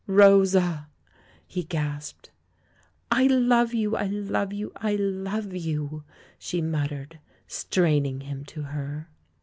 "Rosa!" he gasped. "I love you! I love you! I love you!" she mut tered, straining him to her.